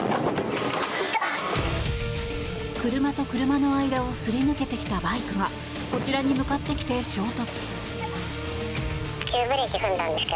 車と車の間をすり抜けてきたバイクがこちらに向かってきて衝突。